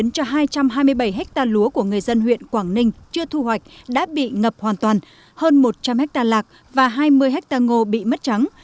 cho hai trăm hai mươi bảy hectare lúa của người dân huyện quảng ninh chưa thu hoạch đã bị ngập hoàn toàn hơn một trăm linh hectare lạc và hai mươi hectare ngô bị mất trắng